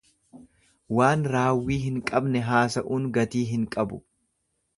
Waan raawwii hin qabne haasa'uun gatii hin qabu.